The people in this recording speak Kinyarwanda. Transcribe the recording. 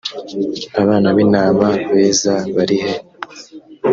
abana bintama beza barihe